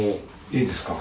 いいですか？